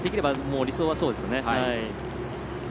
理想はそうですよね。